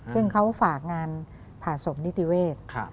ซึ่งเขาฝากงานผ่าศพนิติเวศ